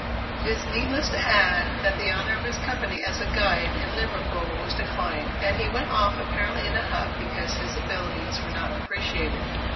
It is needless to add that the honor of his company as a guide in Liverpool was declined, and he went off apparently in a huff because his abilities were not appreciated.